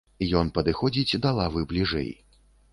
Ён падыходзіць да лавы бліжэй.